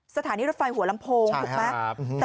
สถานีรถไฟหัวลำโพงถูกไหมครับใช่ครับ